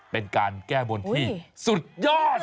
เป็นการแก้บนที่สุดยอด